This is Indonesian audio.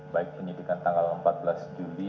baik penyidikan tanggal empat belas juli